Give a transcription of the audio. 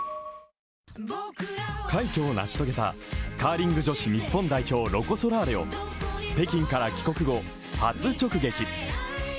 快挙を成し遂げたカーリング女子日本代表ロコ・ソラーレを北京から帰国後、初直撃。